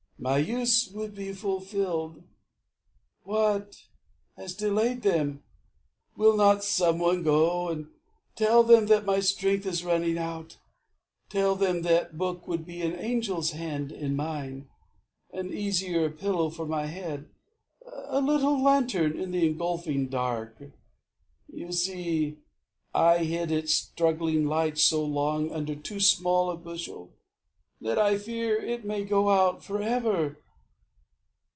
My use would be fulfilled. What has delayed them? Will not some one go And tell them that my strength is running out? Tell them that book would be an angel's hand In mine, an easier pillow for my head, A little lantern in the engulfing dark. You see, I hid its struggling light so long Under too small a bushel, and I fear It may go out forever.